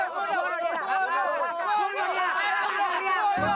kau sudah diangkat